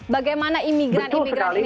bagaimana imigran imigran ini